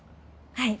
はい。